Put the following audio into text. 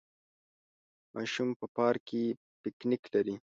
ماشوم په پارک کې پکنک لري.